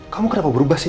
kamu kenapa berubah sih